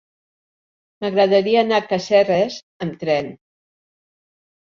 M'agradaria anar a Caseres amb tren.